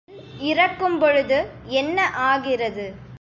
கடைசியில் இறக்கும்பொழுது என்ன ஆகிறது?